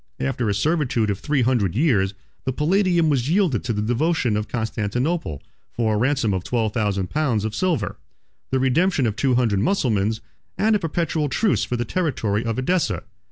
After a servitude of three hundred years, the Palladium was yielded to the devotion of Constantinople, for a ransom of twelve thousand pounds of silver, the redemption of two hundred Mussulmans, and a perpetual truce for the territory of Edessa.